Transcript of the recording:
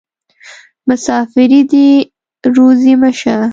مسافري دې روزي مه شه.